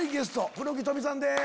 黒木瞳さんです。